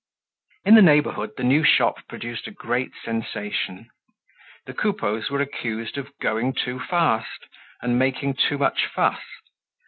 In the neighborhood the new shop produced a great sensation. The Coupeaus were accused of going too fast, and making too much fuss.